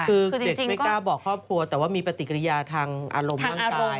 คือเด็กไม่กล้าบอกครอบครัวแต่ว่ามีปฏิกิริยาทางอารมณ์ร่างกาย